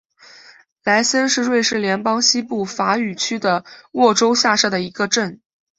莱森是瑞士联邦西部法语区的沃州下设的一个镇。